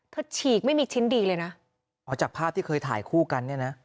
ฉีกไม่มีชิ้นดีเลยนะอ๋อจากภาพที่เคยถ่ายคู่กันเนี่ยนะ